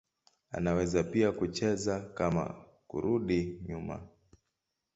Anaweza pia kucheza kama kurudi nyuma.